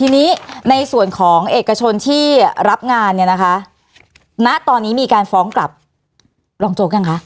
ทีนี้ในส่วนของเอกชนที่รับงานเนี่ยนะคะณตอนนี้มีการฟ้องกลับรองโจ๊กยังคะ